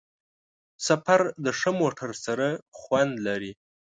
سفر د ښه موټر سره خوند لري.